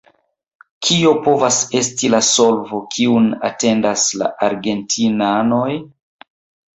Kio povas esti la solvo, kiun atendas la argentinanoj?